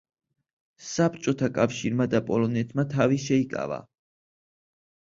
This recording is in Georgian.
საბჭოთა კავშირმა და პოლონეთმა თავი შეიკავა.